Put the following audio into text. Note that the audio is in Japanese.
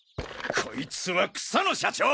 こいつは草野社長！